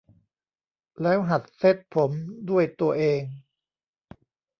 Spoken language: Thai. แล้วหัดเซตผมด้วยตัวเอง